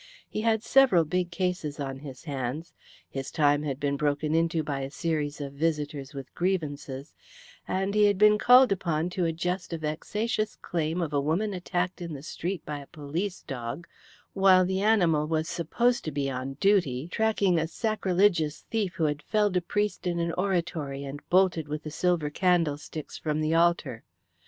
He had several big cases on his hands, his time had been broken into by a series of visitors with grievances, and he had been called upon to adjust a vexatious claim of a woman attacked in the street by a police dog, while the animal was supposed to be on duty tracking a sacrilegious thief who had felled a priest in an oratory and bolted with the silver candlesticks from the altar.